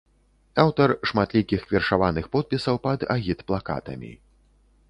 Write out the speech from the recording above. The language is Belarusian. Аўтар шматлікіх вершаваных подпісаў пад агітплакатамі.